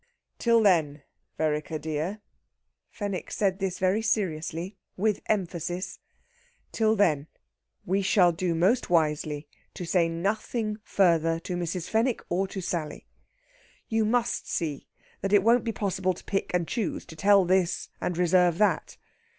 "Till then, Vereker dear" Fenwick said this very seriously, with emphasis "till then we shall do most wisely to say nothing further to Mrs. Fenwick or to Sally. You must see that it won't be possible to pick and choose, to tell this and reserve that.